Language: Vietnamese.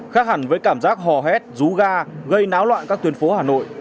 khác hẳn với cảm giác hò hét rú ga gây náo loạn các tuyến phố hà nội